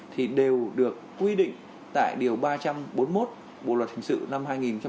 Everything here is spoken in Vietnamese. thì đều được quy định tại điều ba trăm bốn mươi một bộ luật hình sự năm hai nghìn một mươi năm